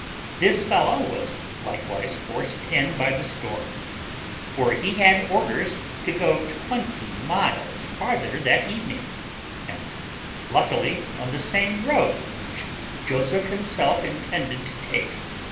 This fellow was likewise forced in by the storm; for he had orders to go twenty miles farther that evening, and luckily on the same road which Joseph himself intended to take.